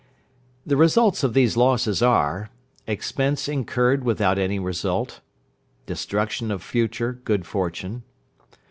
The results of these losses are: Expense incurred without any result. Destruction of future good fortune.